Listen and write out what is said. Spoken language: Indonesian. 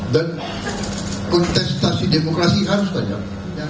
dan kontestasi demokrasi harus tajam